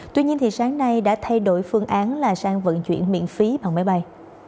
tuy nhiên sáng nay đã thay đổi phương án là sang vận chuyển miễn phí bằng máy bay